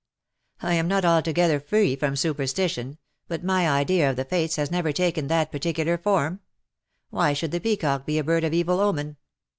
" I am not altogether free from superstition, but my idea of the fates has never taken that [par ticular form. Why should the peacock be a bird of evil omen